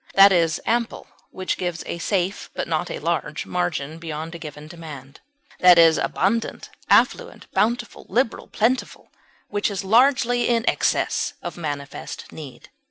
That is ample which gives a safe, but not a large, margin beyond a given demand; that is abundant, affluent, bountiful, liberal, plentiful, which is largely in excess of manifest need.